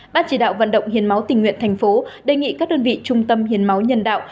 ban chỉ đạo vận động hiến máu tình nguyện thành phố đề nghị các đơn vị trung tâm hiến máu nhân đạo